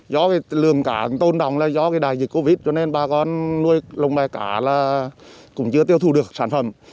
do lượng cá tồn đồng là do đại dịch covid một mươi chín cho nên bà con nuôi lông bè cá là cũng chưa tiêu thụ được sản phẩm